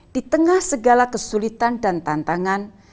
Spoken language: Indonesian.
di tengah segala kesulitan dan tantangan